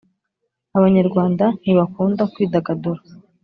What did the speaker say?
abanyarwanda ntibakunda kwidagadura